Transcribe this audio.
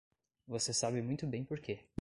Você sabe muito bem porque.